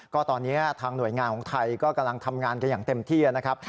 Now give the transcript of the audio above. ก็ตอนนี้ทางหน่วยงานของไทยก็กำลังทำงานกันอย่างเต็มที่นะครับ